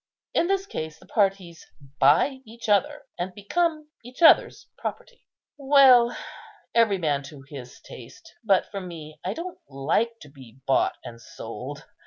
In this case the parties buy each other, and become each other's property. Well, every man to his taste; but for me, I don't like to be bought and sold.